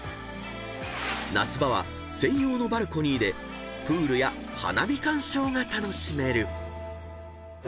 ［夏場は専用のバルコニーでプールや花火鑑賞が楽しめる］